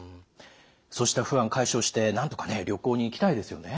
そうした不安解消してなんとか旅行に行きたいですよね。